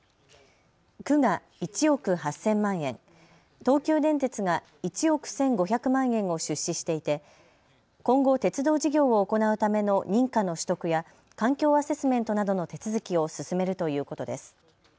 区が１億８０００万円、東急電鉄が１億１５００万円を出資していて今後、鉄道事業を行うための認可の取得や、環境アセスメントなどの手続きを進めるということです。